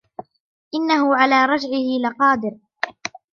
إِنَّهُ عَلَى رَجْعِهِ لَقَادِرٌ